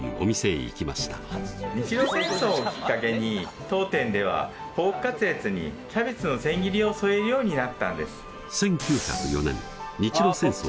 日露戦争をきっかけに当店ではポークカツレツにキャベツの千切りを添えるようになったんです。